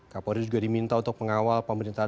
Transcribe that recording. kapolri juga diminta untuk pengawal pemerintah